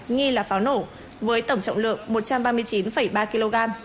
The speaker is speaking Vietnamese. nghi là pháo nổ với tổng trọng lượng một trăm ba mươi chín ba kg